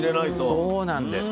そうなんです。